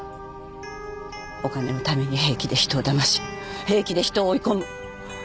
お金のために平気で人をだまし平気で人を追い込む。